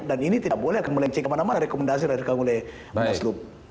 dan ini tidak boleh akan melencengkan rekomendasi dari ketua umum